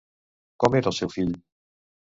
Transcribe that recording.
Com era el seu fill?